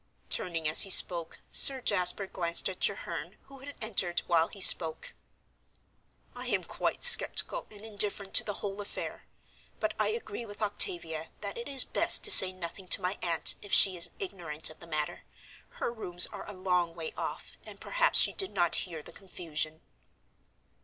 Turning as he spoke, Sir Jasper glanced at Treherne, who had entered while he spoke. "I am quite skeptical and indifferent to the whole affair, but I agree with Octavia that it is best to say nothing to my aunt if she is ignorant of the matter. Her rooms are a long way off, and perhaps she did not hear the confusion."